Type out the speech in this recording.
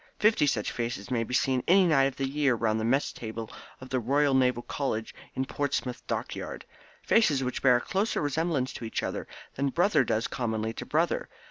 Fifty such faces may be seen any night of the year round the mess table of the Royal Naval College in Portsmouth Dockyard faces which bear a closer resemblance to each other than brother does commonly to brother.